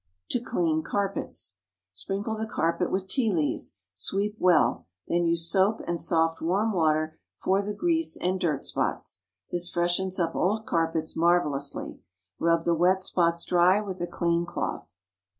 TO CLEAN CARPETS. Sprinkle the carpet with tea leaves; sweep well; then use soap and soft, warm water for the grease and dirt spots. This freshens up old carpets marvellously. Rub the wet spots dry with a clean cloth.